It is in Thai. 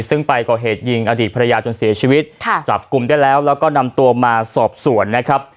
ซึ่งไปก่อเหตุยิงอดีตภรรยาจนเสียชีวิตค่ะจับกลุ่มได้แล้วแล้วก็นำตัวมาสอบสวนนะครับ